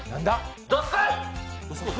どすこい！